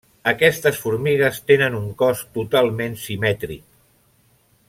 Aquestes formigues tenen un cos totalment simètric.